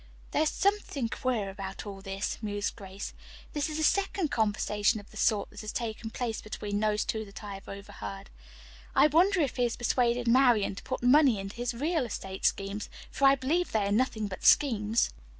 "There is something queer about all this," mused Grace. "This is the second conversation of the sort that has taken place between those two that I have overheard. I wonder if he has persuaded Marian to put money into his real estate schemes, for I believe they are nothing but schemes."